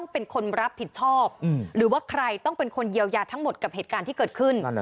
เป็นคนรับผิดชอบหรือว่าใครต้องเป็นคนเยียวยาทั้งหมดกับเหตุการณ์ที่เกิดขึ้น